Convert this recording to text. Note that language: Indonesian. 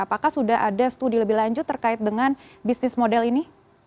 apakah sudah ada studi lebih lanjut terkait dengan bisnis model ini